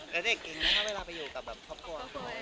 แล้วเด็กเก่งไหมคะเวลาไปอยู่กับครอบครัว